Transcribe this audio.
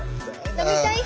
飲みたい人！